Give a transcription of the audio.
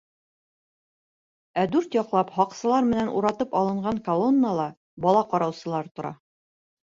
Ә дүрт яҡлап һаҡсылар менән уратылып алынған колоннала бала ҡараусылар тора.